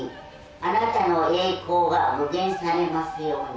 「あなたの栄光が具現されますように」